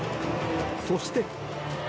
そして。